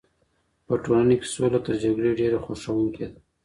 په ټولنه کي سوله تر جګړې ډېره خوښوونکې ده.